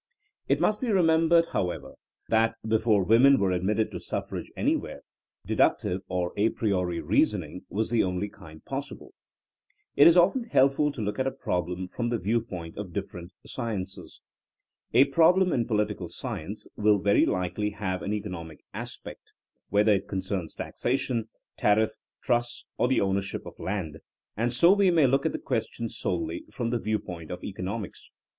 It must be 22 THINEINa AS A SOIENOE remembered, however, that before women were admitted to suffrage anywhere, deductive or a priori reasoning was the only kind possible. It is often helpful to look at a problem from the viewpoint of different sciences. A problem in political science will very likely have an eco nomic aspect, whether it concerns taxation, tariff, trusts or the ownership of land, and so we may look at the question solely from the viewpoint of economics.